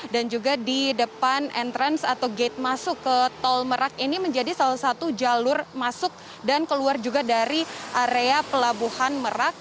dan juga di depan entrance atau gate masuk ke tol merak ini menjadi salah satu jalur masuk dan keluar juga dari area pelabuhan merak